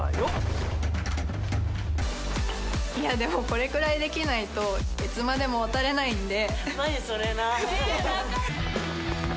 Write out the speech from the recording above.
いや、でもこれぐらいできないといつまでも渡れないんで。